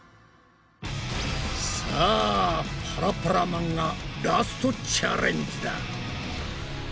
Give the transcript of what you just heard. さあパラパラ漫画ラストチャレンジだ！